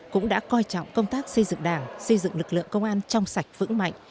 cũng đã coi trọng công tác xây dựng đảng xây dựng lực lượng công an trong sạch vững mạnh